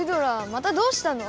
またどうしたの？